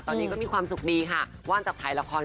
ตอนนี้ก็มีความสุขดีว่านที่จับถ่ายละคร